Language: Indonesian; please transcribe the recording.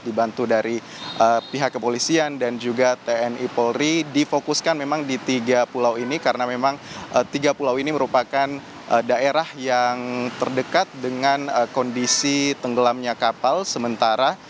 dibantu dari pihak kepolisian dan juga tni polri difokuskan memang di tiga pulau ini karena memang tiga pulau ini merupakan daerah yang terdekat dengan kondisi tenggelamnya kapal sementara